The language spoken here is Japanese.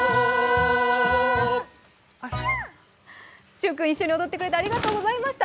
しゅん君、一緒に踊ってくれてありがとうございました。